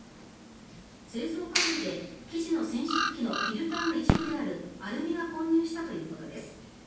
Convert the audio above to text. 製造過程で生地の染色機のフィルターの一部であるアルミが混入したということです。